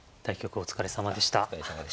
お疲れさまでした。